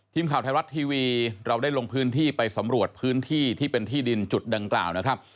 ทีมข่าวไทยรัฐทีวีเราได้ลงพื้นที่ไปสำรวจพื้นที่ที่เป็นที่ดินจุดดังกล่าวนะครับ